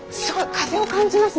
風を感じます